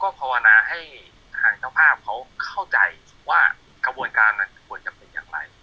ภาวนาให้ทางเจ้าภาพเขาเข้าใจว่ากระบวนการนั้นควรจะเป็นอย่างไร